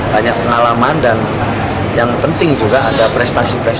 banyak pengalaman dan yang penting juga ada prestasi prestasi